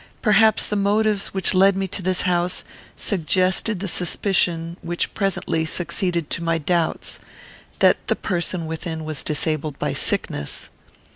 Perhaps the motives which led me to this house suggested the suspicion which presently succeeded to my doubts, that the person within was disabled by sickness.